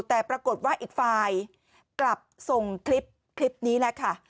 แต่ปรากฏว่าอีกฝ่ายกลับส่งคลิปนี้แหละค่ะ